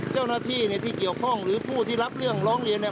เจ้าหน้าที่เนี่ยที่เกี่ยวข้องหรือผู้ที่รับเรื่องร้องเรียนเนี่ย